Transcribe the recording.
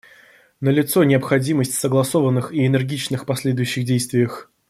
Налицо необходимость в согласованных и энергичных последующих действиях.